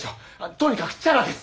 とにかくチャラです！